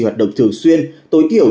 hoạt động thường xuyên tối thiểu